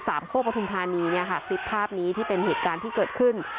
สามข้อพระทุนธานีเนี่ยค่ะครบภาพนี้ที่เป็นเหตุการณ์ที่เกิดขึ้น